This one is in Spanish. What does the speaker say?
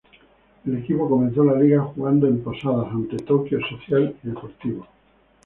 El equipo comenzó la liga jugando en Posadas ante Tokyo Social y Deportivo.